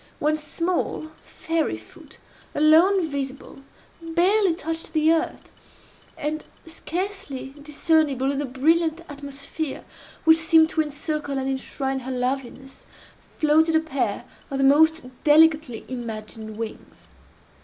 One small, fairy foot, alone visible, barely touched the earth; and, scarcely discernible in the brilliant atmosphere which seemed to encircle and enshrine her loveliness, floated a pair of the most delicately imagined wings.